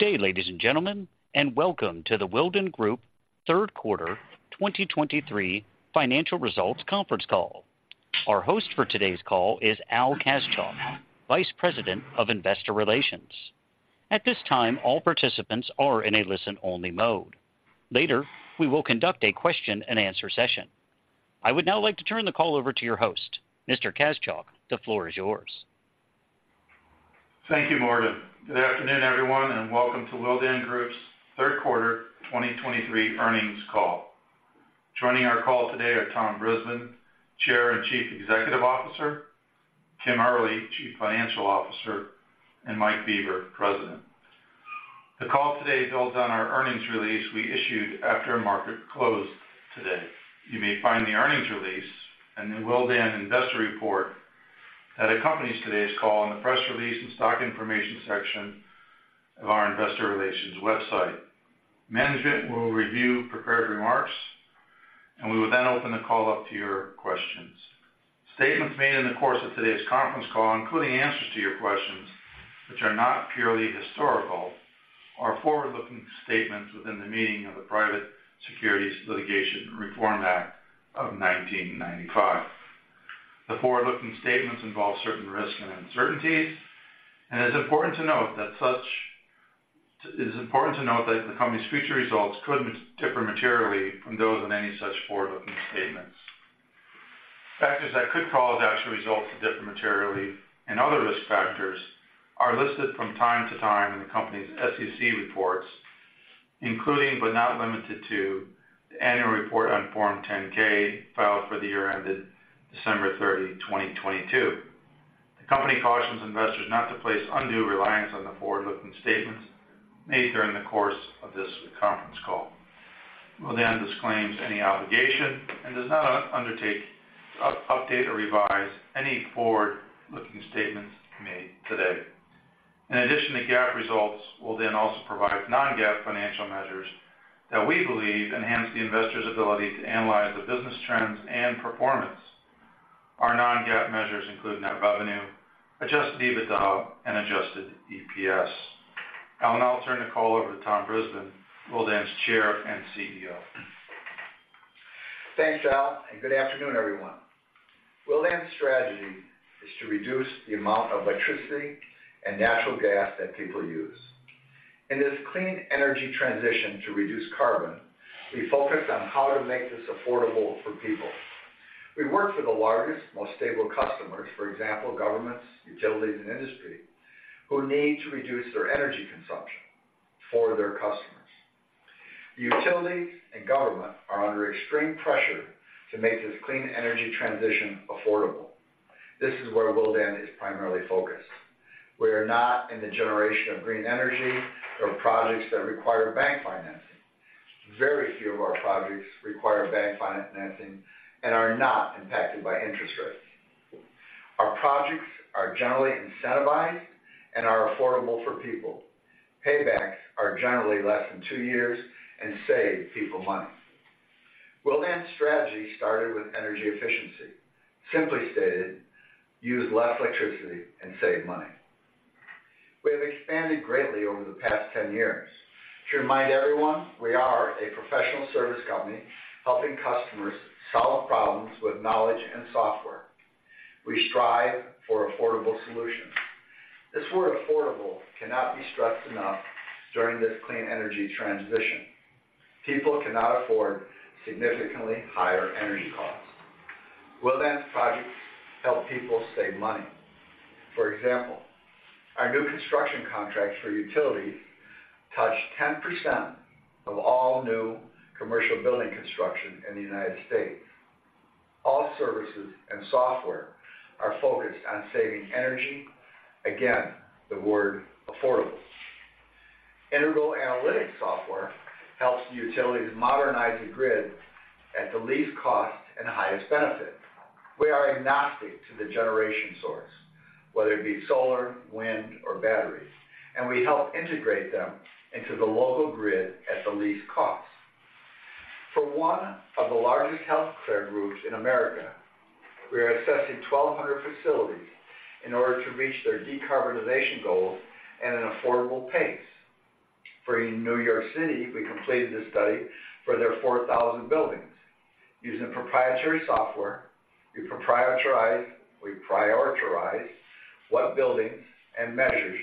Good day, ladies and gentlemen, and welcome to the Willdan Group Third Quarter 2023 Financial Results Conference Call. Our host for today's call is Al Kaschalk, Vice President of Investor Relations. At this time, all participants are in a listen-only mode. Later, we will conduct a question-and-answer session. I would now like to turn the call over to your host. Mr. Kaschalk, the floor is yours. Thank you, Morgan. Good afternoon, everyone, and welcome to Willdan Group's third quarter 2023 earnings call. Joining our call today are Tom Brisbin, Chairman and Chief Executive Officer, Kim Early, Chief Financial Officer, and Mike Bieber, President. The call today builds on our earnings release we issued after market closed today. You may find the earnings release and the Willdan Investor Report that accompanies today's call on the press release and stock information section of our investor relations website. Management will review prepared remarks, and we will then open the call up to your questions. Statements made in the course of today's conference call, including answers to your questions which are not purely historical, are forward-looking statements within the meaning of the Private Securities Litigation Reform Act of 1995. The forward-looking statements involve certain risks and uncertainties, and it is important to note that the company's future results could differ materially from those in any such forward-looking statements. Factors that could cause actual results to differ materially and other risk factors are listed from time to time in the company's SEC reports, including but not limited to, the annual report on Form 10-K, filed for the year ended 30 December 2022. The company cautions investors not to place undue reliance on the forward-looking statements made during the course of this conference call. Willdan disclaims any obligation and does not undertake to update or revise any forward-looking statements made today. In addition to GAAP results, Willdan also provide non-GAAP financial measures that we believe enhance the investors' ability to analyze the business trends and performance. Our non-GAAP measures include net revenue, Adjusted EBITDA, and Adjusted EPS. I'll now turn the call over to Tom Brisbin, Willdan's Chair and CEO. Thanks, Al, and good afternoon, everyone. Willdan's strategy is to reduce the amount of electricity and natural gas that people use. In this clean energy transition to reduce carbon, we focused on how to make this affordable for people. We work with the largest, most stable customers, for example, governments, utilities, and industry, who need to reduce their energy consumption for their customers. Utilities and government are under extreme pressure to make this clean energy transition affordable. This is where Willdan is primarily focused. We are not in the generation of green energy or projects that require bank financing. Very few of our projects require bank financing and are not impacted by interest rates. Our projects are generally incentivized and are affordable for people. Paybacks are generally less than two years and save people money. Willdan's strategy started with energy efficiency. Simply stated, use less electricity and save money. We have expanded greatly over the past 10 years. To remind everyone, we are a professional service company helping customers solve problems with knowledge and software. We strive for affordable solutions. This word, affordable, cannot be stressed enough during this clean energy transition. People cannot afford significantly higher energy costs. Willdan's projects help people save money. For example, our new construction contracts for utilities touch 10% of all new commercial building construction in the United States. All services and software are focused on saving energy. Again, the word affordable. Integral Analytics software helps the utilities modernize the grid at the least cost and highest benefit. We are agnostic to the generation source, whether it be solar, wind, or batteries, and we help integrate them into the local grid at the least cost. For one of the largest healthcare groups in America, we are assessing 1,200 facilities in order to reach their decarbonization goals at an affordable pace. For New York City, we completed a study for their 4,000 buildings. Using proprietary software, we prioritize what buildings and measures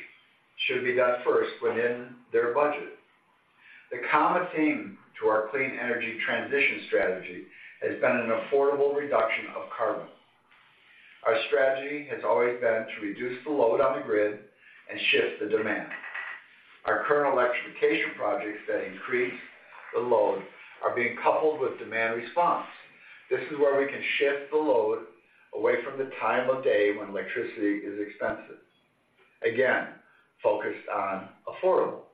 should be done first within their budget. The common theme to our clean energy transition strategy has been an affordable reduction of carbon. Our strategy has always been to reduce the load on the grid and shift the demand. Our current electrification projects that increase the load are being coupled with demand response. This is where we can shift the load away from the time of day when electricity is expensive. Again, focused on affordable.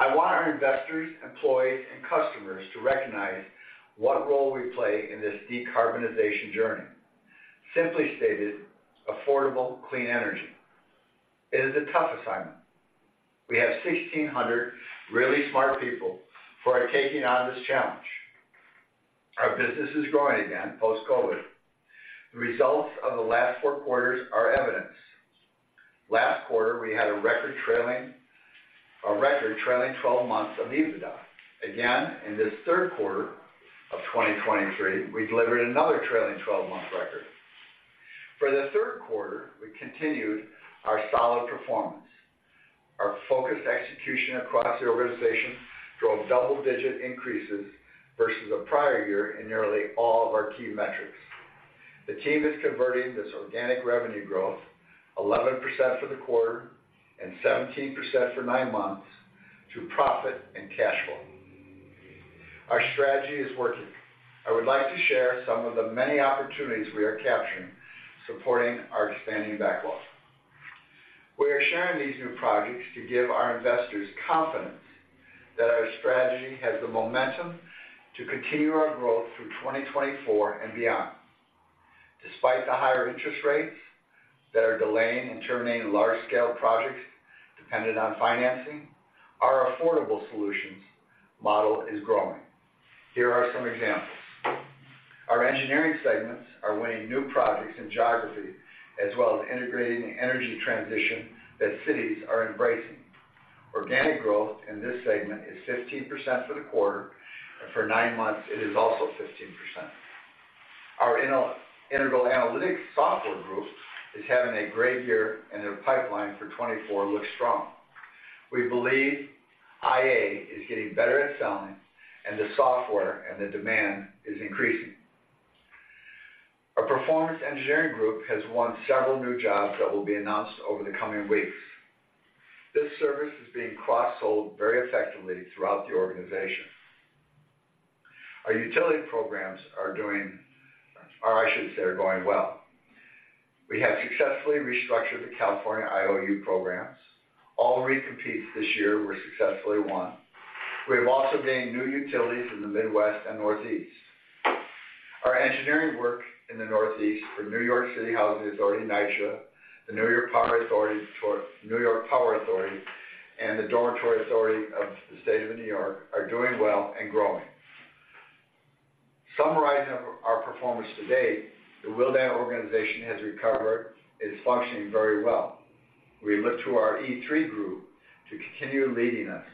I want our investors, employees, and customers to recognize what role we play in this decarbonization journey. Simply stated, affordable, clean energy. It is a tough assignment. We have 1,600 really smart people who are taking on this challenge... Our business is growing again post-COVID. The results of the last 4 quarters are evidence. Last quarter, we had a record trailing, a record trailing 12 months of EBITDA. Again, in this Q3 of 2023, we delivered another trailing 12-month record. For the Q3, we continued our solid performance. Our focused execution across the organization drove double-digit increases versus the prior year in nearly all of our key metrics. The team is converting this organic revenue growth 11% for the quarter and 17% for 9 months to profit and cash flow. Our strategy is working. I would like to share some of the many opportunities we are capturing, supporting our expanding backlog. We are sharing these new projects to give our investors confidence that our strategy has the momentum to continue our growth through 2024 and beyond. Despite the higher interest rates that are delaying and terminating large-scale projects dependent on financing, our affordable solutions model is growing. Here are some examples. Our engineering segments are winning new projects and geographies, as well as integrating the energy transition that cities are embracing. Organic growth in this segment is 15% for the quarter, and for nine months, it is also 15%. Our Integral Analytics software group is having a great year, and their pipeline for 2024 looks strong. We believe IA is getting better at selling, and the software and the demand is increasing. Our performance engineering group has won several new jobs that will be announced over the coming weeks. This service is being cross-sold very effectively throughout the organization. Our utility programs are doing, or I should say, are going well. We have successfully restructured the California IOU programs. All recompetes this year were successfully won. We have also gained new utilities in the Midwest and Northeast. Our engineering work in the Northeast for New York City Housing Authority, NYCHA, the New York Power Authority, for New York Power Authority, and the Dormitory Authority of the State of New York are doing well and growing. Summarizing our performance to date, the Willdan organization has recovered, is functioning very well. We look to our E3 group to continue leading us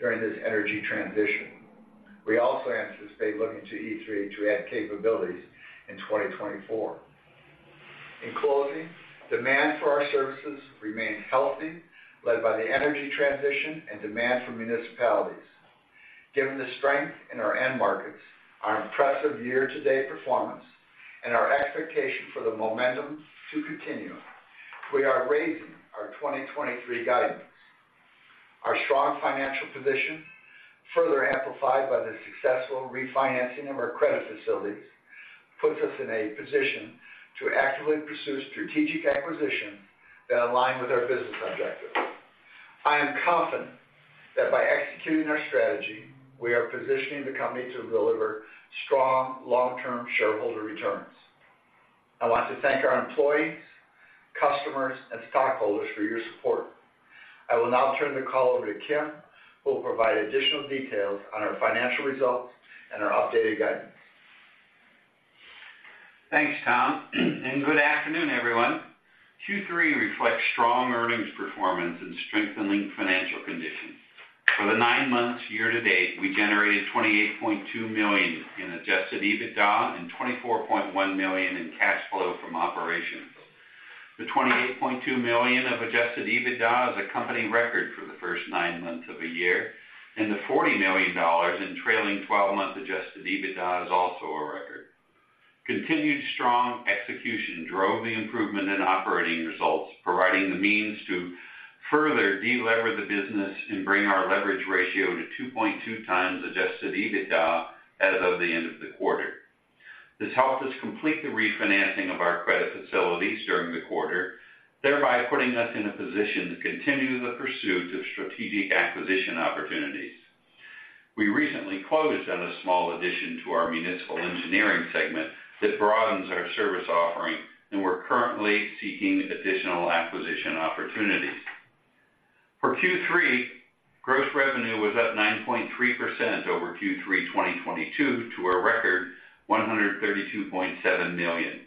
during this energy transition. We also anticipate looking to E3 to add capabilities in 2024. In closing, demand for our services remains healthy, led by the energy transition and demand from municipalities. Given the strength in our end markets, our impressive year-to-date performance, and our expectation for the momentum to continue, we are raising our 2023 guidance. Our strong financial position, further amplified by the successful refinancing of our credit facilities, puts us in a position to actively pursue strategic acquisitions that align with our business objectives. I am confident that by executing our strategy, we are positioning the company to deliver strong, long-term shareholder returns. I want to thank our employees, customers, and stockholders for your support. I will now turn the call over to Kim, who will provide additional details on our financial results and our updated guidance. Thanks, Tom, and good afternoon, everyone. Q3 reflects strong earnings performance and strengthening financial conditions. For the nine months year to date, we generated $28.2 million in Adjusted EBITDA and $24.1 million in cash flow from operations. The $28.2 million of Adjusted EBITDA is a company record for the first nine months of a year, and the $40 million in trailing twelve-month Adjusted EBITDA is also a record. Continued strong execution drove the improvement in operating results, providing the means to further delever the business and bring our leverage ratio to 2.2 times Adjusted EBITDA as of the end of the quarter. This helped us complete the refinancing of our credit facilities during the quarter, thereby putting us in a position to continue the pursuit of strategic acquisition opportunities. We recently closed on a small addition to our municipal engineering segment that broadens our service offering, and we're currently seeking additional acquisition opportunities. For Q3, gross revenue was up 9.3% over Q3 2022, to a record $132.7 million.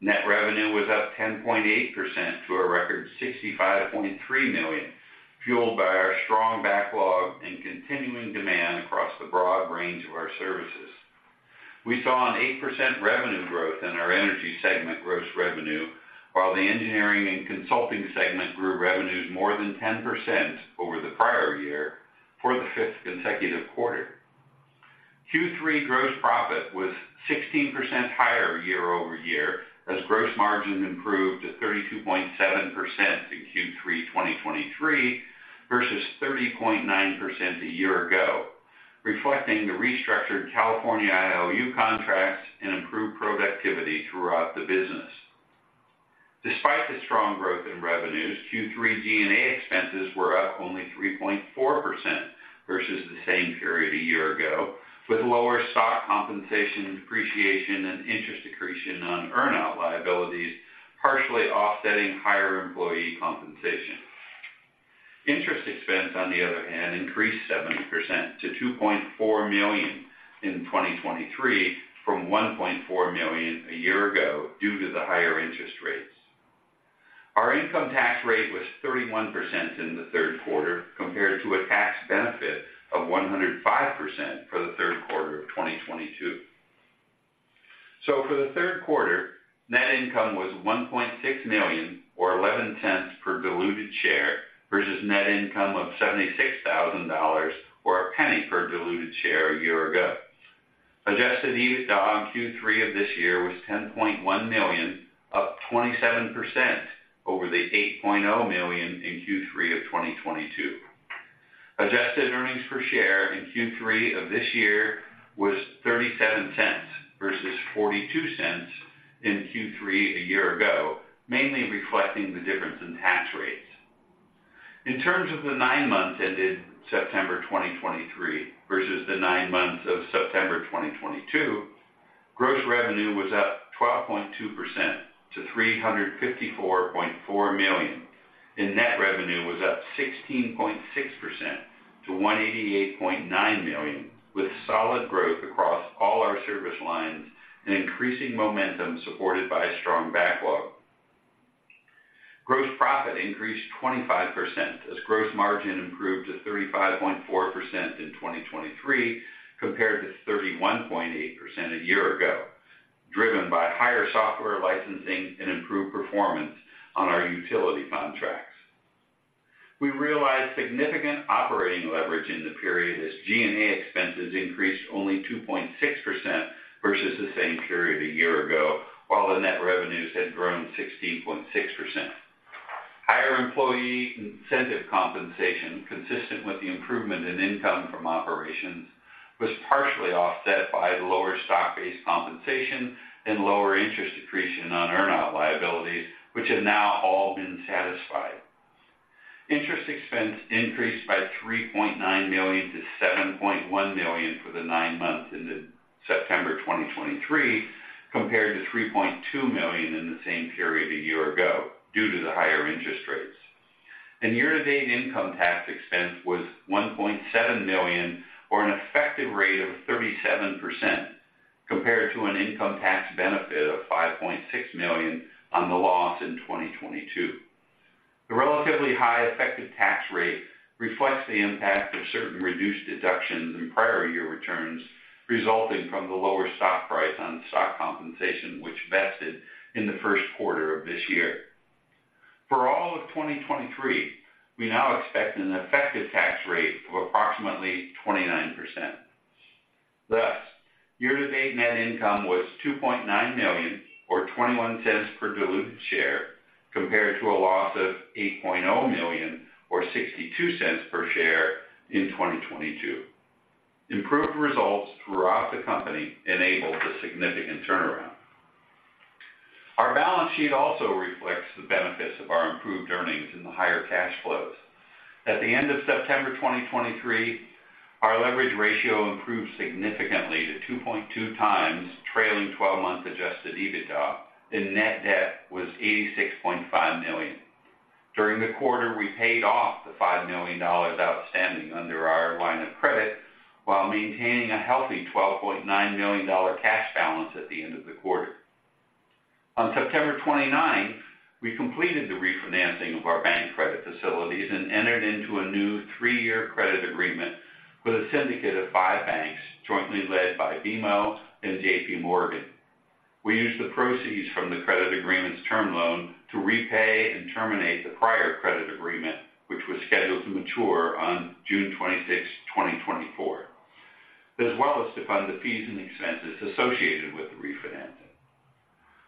Net revenue was up 10.8% to a record $65.3 million, fueled by our strong backlog and continuing demand across the broad range of our services. We saw an 8% revenue growth in our energy segment gross revenue, while the engineering and consulting segment grew revenues more than 10% over the prior year for the fifth consecutive quarter. Q3 gross profit was 16% higher year-over-year, as gross margins improved to 32.7% in Q3 2023 versus 30.9% a year ago, reflecting the restructured California IOU contracts and improved productivity throughout the business. Despite the strong growth in revenues, Q3 G&A expenses were up only 3.4% versus the same period a year ago, with lower stock compensation, depreciation, and interest accretion on earn-out liabilities, partially offsetting higher employee compensation. Interest expense, on the other hand, increased 70% to $2.4 million in 2023, from $1.4 million a year ago, due to the higher interest rates. Our income tax rate was 31% in the Q3, compared to a tax benefit of 105% for the Q3 of 2022. For the Q3, net income was $1.6 million, or $0.11 per diluted share, versus net income of $76,000, or $0.01 per diluted share a year ago. Adjusted EBITDA on Q3 of this year was $10.1 million, up 27% over the $8.0 million in Q3 of 2022. Adjusted earnings per share in Q3 of this year was $0.37, versus $0.42 in Q3 a year ago, mainly reflecting the difference in tax rates. In terms of the 9 months ended September 2023 versus the 9 months of September 2022, gross revenue was up 12.2% to $354.4 million, and net revenue was up 16.6% to $188.9 million, with solid growth across all our service lines and increasing momentum, supported by a strong backlog. Gross profit increased 25%, as gross margin improved to 35.4% in 2023, compared to 31.8% a year ago, driven by higher software licensing and improved performance on our utility contracts. We realized significant operating leverage in the period as G&A expenses increased only 2.6% versus the same period a year ago, while the net revenues had grown 16.6%. Higher employee incentive compensation, consistent with the improvement in income from operations, was partially offset by lower stock-based compensation and lower interest accretion on earn-out liabilities, which have now all been satisfied. Interest expense increased by $3.9 million to $7.1 million for the nine months ended September 2023, compared to $3.2 million in the same period a year ago, due to the higher interest rates. Year-to-date income tax expense was $1.7 million, or an effective rate of 37%, compared to an income tax benefit of $5.6 million on the loss in 2022. The relatively high effective tax rate reflects the impact of certain reduced deductions in prior year returns, resulting from the lower stock price on stock compensation, which vested in the Q1 of this year. For all of 2023, we now expect an effective tax rate of approximately 29%. Thus, year-to-date net income was $2.9 million, or $0.21 per diluted share, compared to a loss of $8.0 million, or $0.62 per share in 2022. Improved results throughout the company enabled a significant turnaround. Our balance sheet also reflects the benefits of our improved earnings and the higher cash flows. At the end of September 2023, our leverage ratio improved significantly to 2.2x trailing twelve-month Adjusted EBITDA, and net debt was $86.5 million. During the quarter, we paid off the $5 million outstanding under our line of credit, while maintaining a healthy $12.9 million cash balance at the end of the quarter. On September 29th, we completed the refinancing of our bank credit facilities and entered into a new 3-year credit agreement with a syndicate of 5 banks, jointly led by BMO and JPMorgan. We used the proceeds from the credit agreement's term loan to repay and terminate the prior credit agreement, which was scheduled to mature on 26 June 2024, as well as to fund the fees and expenses associated with the refinancing.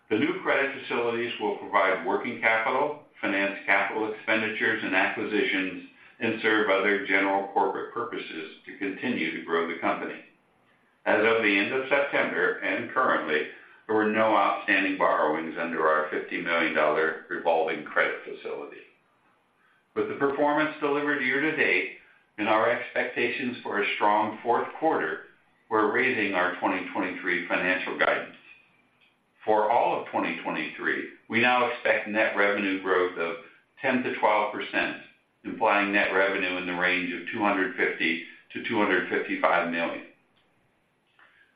The new credit facilities will provide working capital, finance capital expenditures and acquisitions, and serve other general corporate purposes to continue to grow the company. As of the end of September, and currently, there were no outstanding borrowings under our $50 million revolving credit facility. With the performance delivered year to date and our expectations for a strong Q4, we're raising our 2023 financial guidance. For all of 2023, we now expect net revenue growth of 10% to 12%, implying net revenue in the range of $250 to $255 million.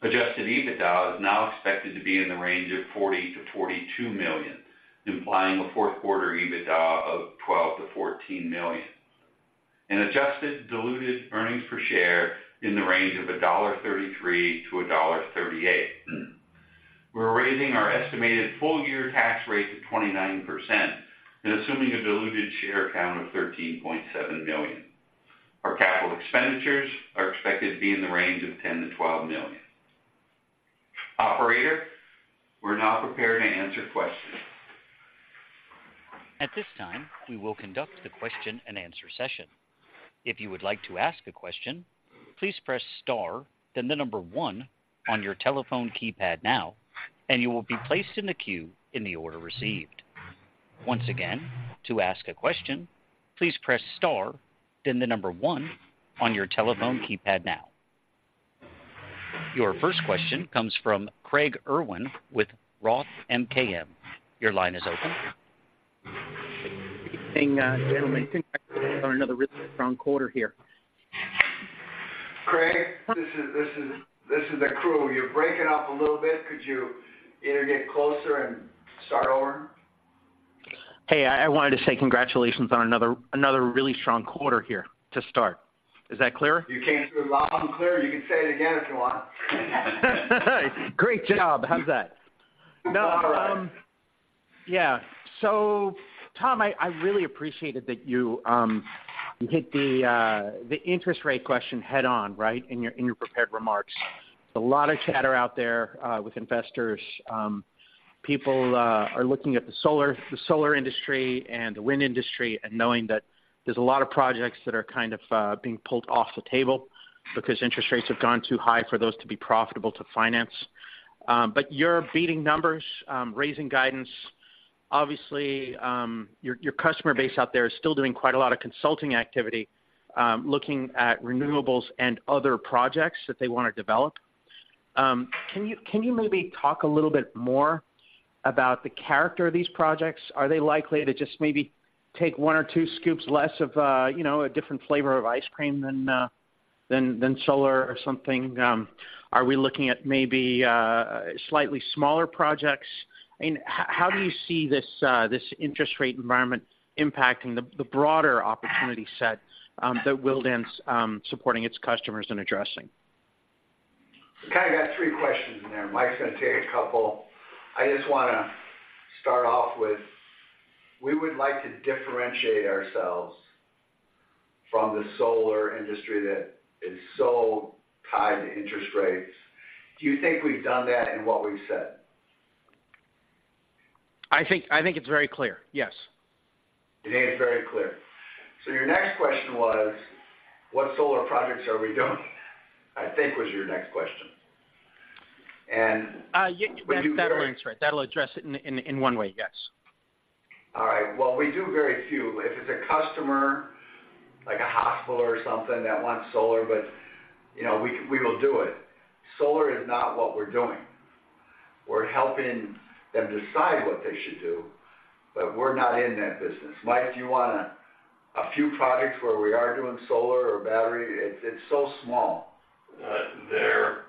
Adjusted EBITDA is now expected to be in the range of $40 to $42 million, implying a Q4 EBITDA of $12 to $14 million. Adjusted diluted earnings per share in the range of $1.33 to $1.38. We're raising our estimated full-year tax rate to 29% and assuming a diluted share count of $13.7 million. Our capital expenditures are expected to be in the range of $10 to $12 million. Operator, we're now prepared to answer questions. At this time, we will conduct the question-and-answer session. If you would like to ask a question, please press star, then the number 1 on your telephone keypad now, and you will be placed in the queue in the order received. Once again, to ask a question, please press star, then the number 1 on your telephone keypad now.... Your first question comes from Craig Irwin with Roth MKM. Your line is open. Good evening, gentlemen. Congratulations on another really strong quarter here. Craig, this is the crew. You're breaking up a little bit. Could you either get closer and start over? Hey, I wanted to say congratulations on another really strong quarter here to start. Is that clearer? You came through loud and clear. You can say it again if you want. Great job. How's that? All right. No, yeah. So, Tom, I really appreciated that you hit the interest rate question head-on, right, in your prepared remarks. A lot of chatter out there with investors. People are looking at the solar industry and the wind industry and knowing that there's a lot of projects that are kind of being pulled off the table because interest rates have gone too high for those to be profitable to finance. But you're beating numbers, raising guidance. Obviously, your customer base out there is still doing quite a lot of consulting activity, looking at renewables and other projects that they want to develop. Can you maybe talk a little bit more about the character of these projects? Are they likely to just maybe take one or two scoops less of, you know, a different flavor of ice cream than solar or something? Are we looking at maybe slightly smaller projects? I mean, how do you see this interest rate environment impacting the broader opportunity set that Willdan's supporting its customers in addressing? I kind of got three questions in there. Mike's gonna take a couple. I just wanna start off with, we would like to differentiate ourselves from the solar industry that is so tied to interest rates. Do you think we've done that in what we've said? I think, I think it's very clear. Yes. It is very clear. So your next question was, what solar projects are we doing? I think was your next question. And- Yeah, that aligns right. That'll address it in one way, yes. All right. Well, we do very few. If it's a customer, like a hospital or something that wants solar, but, you know, we will do it. Solar is not what we're doing. We're helping them decide what they should do, but we're not in that business. Mike, do you want a few projects where we are doing solar or battery? It's so small. They're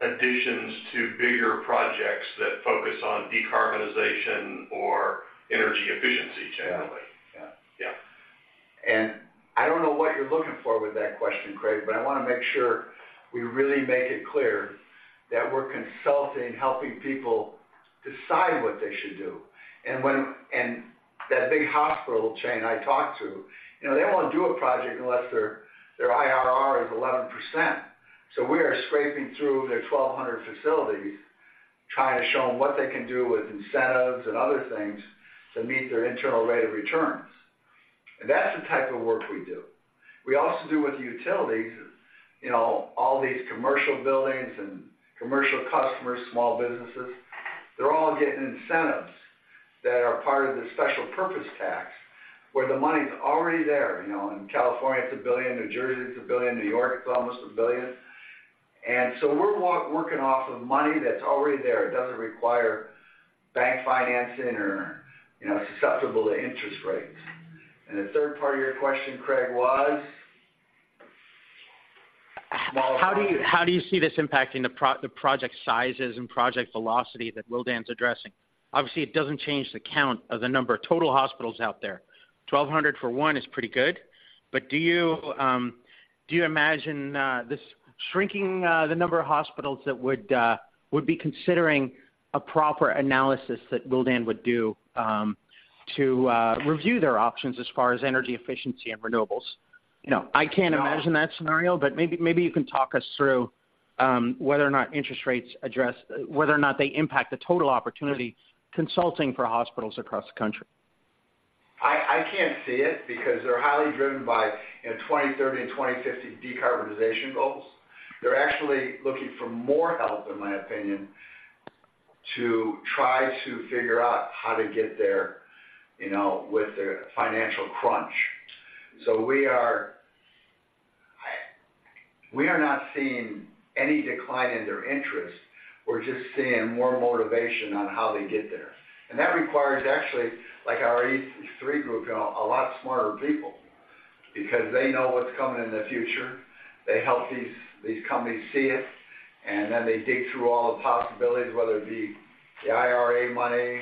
additions to bigger projects that focus on decarbonization or energy efficiency, generally. Yeah. Yeah. And I don't know what you're looking for with that question, Craig, but I wanna make sure we really make it clear that we're consulting, helping people decide what they should do. And when and that big hospital chain I talked to, you know, they won't do a project unless their, their IRR is 11%. So we are scraping through their 1,200 facilities, trying to show them what they can do with incentives and other things to meet their internal rate of returns. And that's the type of work we do. We also do with utilities, you know, all these commercial buildings and commercial customers, small businesses, they're all getting incentives that are part of the special purpose tax, where the money's already there. You know, in California, it's $1 billion; New Jersey, it's $1 billion; New York, it's almost $1 billion. And so we're working off of money that's already there. It doesn't require bank financing or, you know, susceptible to interest rates. The third part of your question, Craig, was? How do you see this impacting the project sizes and project velocity that Willdan's addressing? Obviously, it doesn't change the count of the number of total hospitals out there. 1,200 for one is pretty good. But do you imagine this shrinking the number of hospitals that would be considering a proper analysis that Willdan would do to review their options as far as energy efficiency and renewables? You know, I can't imagine that scenario, but maybe you can talk us through whether or not interest rates impact the total opportunity consulting for hospitals across the country. I, I can't see it because they're highly driven by, you know, 2030, 2050 decarbonization goals. They're actually looking for more help, in my opinion, to try to figure out how to get there, you know, with their financial crunch. So we are... We are not seeing any decline in their interest. We're just seeing more motivation on how they get there. And that requires actually, like, our E3 group, a lot smarter people because they know what's coming in the future. They help these, these companies see it, and then they dig through all the possibilities, whether it be the IRA money,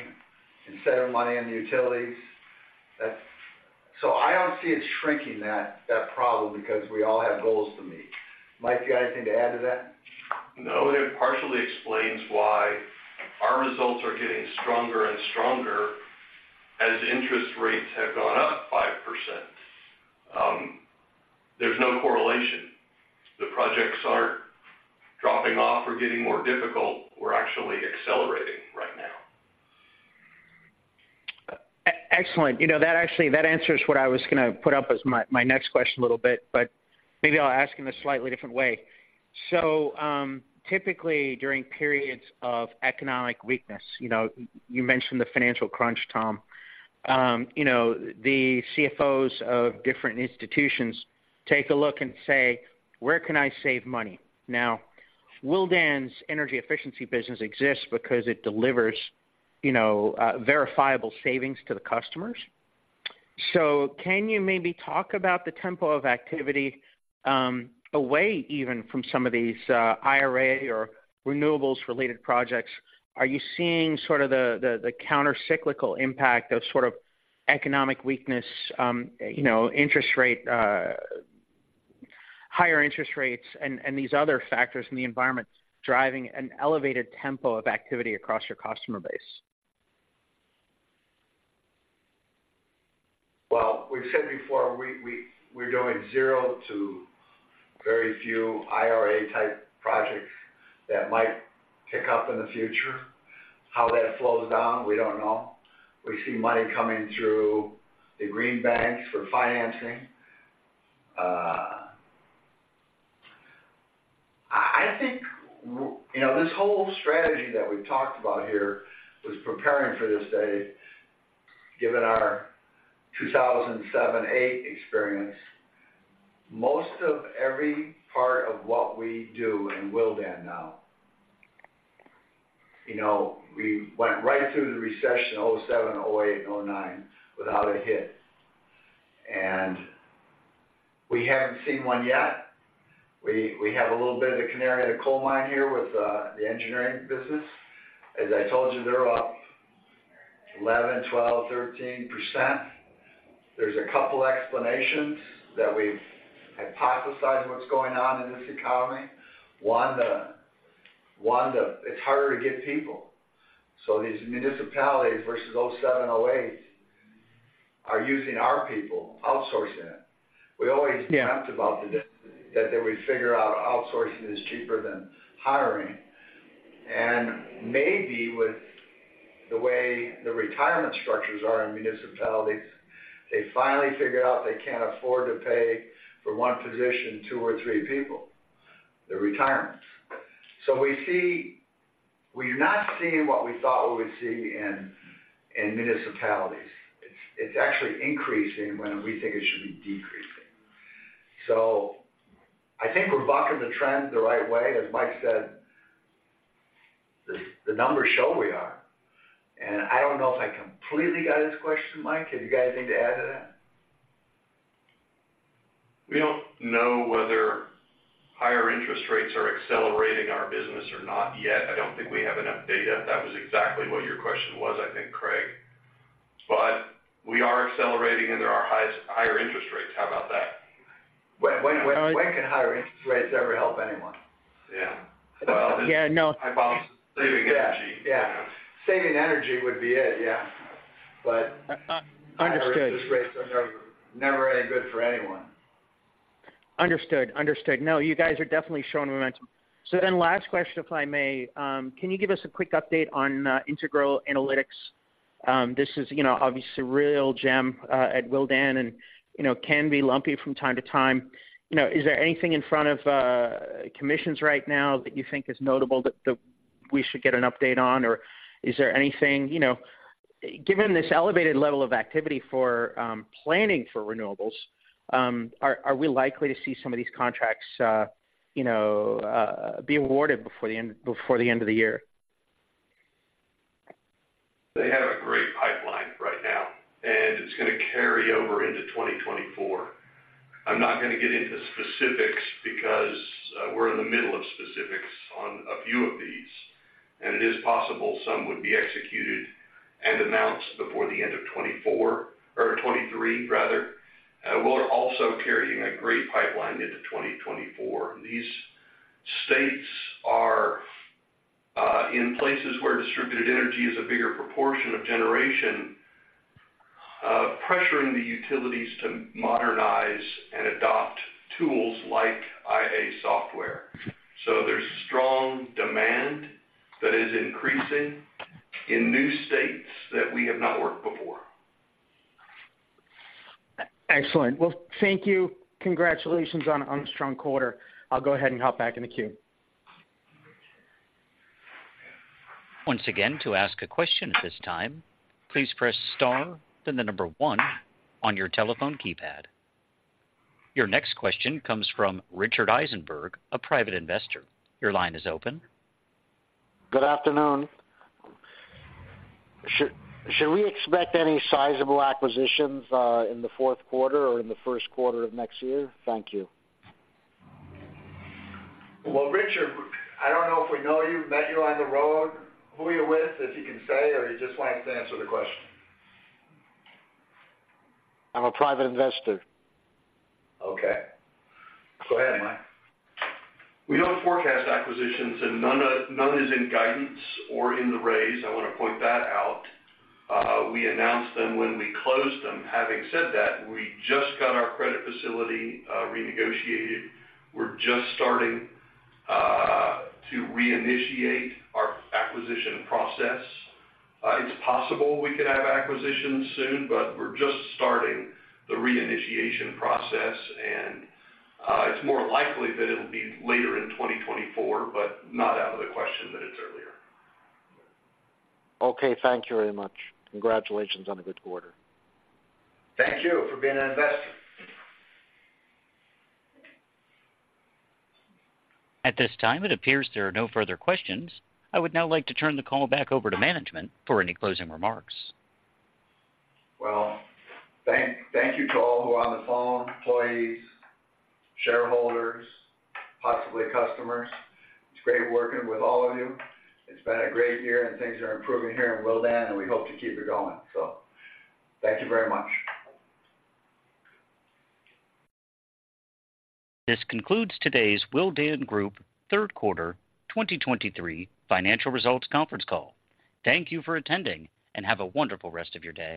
incentive money in the utilities. That's so I don't see it shrinking that, that problem because we all have goals to meet. Mike, do you have anything to add to that? No, it partially explains why our results are getting stronger and stronger as interest rates have gone up 5%. There's no correlation. The projects aren't dropping off or getting more difficult. We're actually accelerating right now. Excellent. You know, that actually that answers what I was gonna put up as my next question a little bit, but maybe I'll ask in a slightly different way. So, typically, during periods of economic weakness, you know, you mentioned the financial crunch, Tom. You know, the CFOs of different institutions take a look and say, "Where can I save money?" Now, Willdan's energy efficiency business exists because it delivers... you know, verifiable savings to the customers. So can you maybe talk about the tempo of activity, away even from some of these, IRA or renewables-related projects? Are you seeing sort of the countercyclical impact of sort of economic weakness, you know, interest rate, higher interest rates and these other factors in the environment driving an elevated tempo of activity across your customer base? Well, we've said before, we're doing zero to very few IRA-type projects that might pick up in the future. How that flows down, we don't know. We see money coming through the green banks for financing. You know, this whole strategy that we've talked about here was preparing for this day, given our 2007, 2008 experience. Most of every part of what we do in Willdan now, you know, we went right through the recession, 2007, 2008, 2009, without a hit, and we haven't seen one yet. We have a little bit of a canary in the coal mine here with the engineering business. As I told you, they're up 11%-13%. There's a couple explanations that we've hypothesized what's going on in this economy. One, the it's harder to get people. So these municipalities versus 2007, 2008, are using our people, outsourcing it. Yeah. We always dreamt about the day that they would figure out outsourcing is cheaper than hiring. And maybe with the way the retirement structures are in municipalities, they finally figured out they can't afford to pay for one position, 2 or 3 people, the retirements. So we see... We're not seeing what we thought we would see in municipalities. It's actually increasing when we think it should be decreasing. So I think we're bucking the trend the right way. As Mike said, the numbers show we are, and I don't know if I completely got his question, Mike, have you guys need to add to that? We don't know whether higher interest rates are accelerating our business or not yet. I don't think we have enough data. That was exactly what your question was, I think, Craig. But we are accelerating, and there are higher interest rates. How about that? When can higher interest rates ever help anyone? Yeah. Yeah, no. I thought saving energy. Yeah. Yeah. Saving energy would be it, yeah, but- Understood Higher interest rates are never, never any good for anyone. Understood. Understood. No, you guys are definitely showing momentum. So then last question, if I may. Can you give us a quick update on Integral Analytics? This is, you know, obviously a real gem at Willdan and, you know, can be lumpy from time to time. You know, is there anything in front of commissions right now that you think is notable that we should get an update on? Or is there anything... You know, given this elevated level of activity for planning for renewables, are we likely to see some of these contracts, you know, be awarded before the end of the year? They have a great pipeline right now, and it's gonna carry over into 2024. I'm not gonna get into specifics because, we're in the middle of specifics on a few of these, and it is possible some would be executed and announced before the end of 2024 or 2023 rather. We're also carrying a great pipeline into 2024. These states are, in places where distributed energy is a bigger proportion of generation, pressuring the utilities to modernize and adopt tools like IA software. So there's strong demand that is increasing in new states that we have not worked before. Excellent. Well, thank you. Congratulations on a strong quarter. I'll go ahead and hop back in the queue. Once again, to ask a question at this time, please press star, then 1 on your telephone keypad. Your next question comes from Richard Eisenberg, a private investor. Your line is open. Good afternoon. Should we expect any sizable acquisitions in the Q4 or in the Q1 of next year? Thank you. Well, Richard, I don't know if we know you, met you on the road. Who are you with, if you can say, or you just want us to answer the question? I'm a private investor. Okay. Go ahead, Mike. We don't forecast acquisitions, and none, none is in guidance or in the raise. I want to point that out. We announce them when we close them. Having said that, we just got our credit facility renegotiated. We're just starting to reinitiate our acquisition process. It's possible we could have acquisitions soon, but we're just starting the reinitiation process, and it's more likely that it'll be later in 2024, but not out of the question that it's earlier. Okay. Thank you very much. Congratulations on a good quarter. Thank you for being an investor. At this time, it appears there are no further questions. I would now like to turn the call back over to management for any closing remarks. Well, thank you to all who are on the phone, employees, shareholders, possibly customers. It's great working with all of you. It's been a great year, and things are improving here in Willdan, and we hope to keep it going. Thank you very much. This concludes today's Willdan Group Third Quarter 2023 Financial Results Conference Call. Thank you for attending, and have a wonderful rest of your day.